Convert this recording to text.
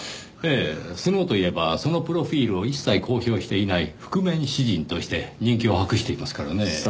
ええスノウといえばそのプロフィルを一切公表していない覆面詩人として人気を博していますからねぇ。